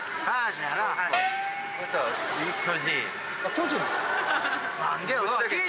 巨人ですか？